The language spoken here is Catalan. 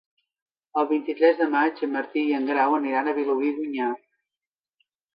El vint-i-tres de maig en Martí i en Grau aniran a Vilobí d'Onyar.